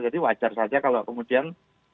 jadi wajar saja kalau kemudian